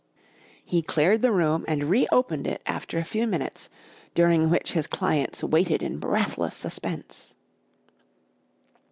He cleared the room and re opened it after a few minutes, during which his clients waited in breathless suspense.